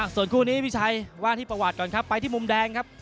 ส่วนคู่นี้พี่ชัยว่าที่ประวัติก่อนครับไปที่มุมแดงครับ